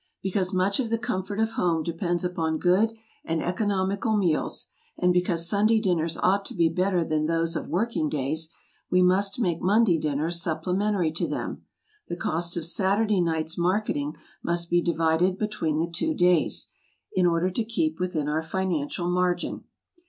Because much of the comfort of home depends upon good and economical meals, and because Sunday dinners ought to be better than those of working days, we must make Monday dinners supplementary to them; the cost of Saturday night's marketing must be divided between the two days, in order to keep within our financial margin.